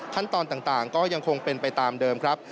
ขั้นตอนต่างก็ยังคงเป็นไปตามเดิมครับ